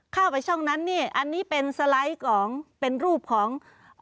เข้าไปช่องนั้นนี่อันนี้เป็นสไลด์ของเป็นรูปของ